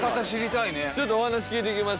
ちょっとお話聞いていきましょう。